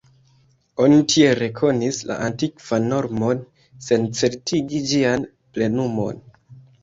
Oni tiel rekonis la antikvan normon, sen certigi ĝian plenumon.